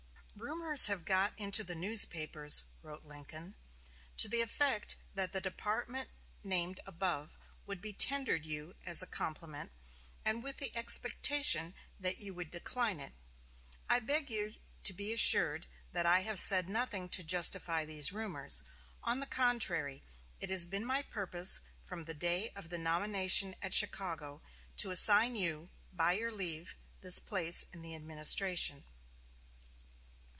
"Rumors have got into the newspapers," wrote Lincoln, "to the effect that the department named above would be tendered you as a compliment, and with the expectation that you would decline it. I beg you to be assured that I have said nothing to justify these rumors. On the contrary, it has been my purpose, from the day of the nomination at Chicago, to assign you, by your leave, this place in the administration."